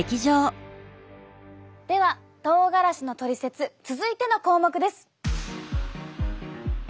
ではとうがらしのトリセツ続いての項目です！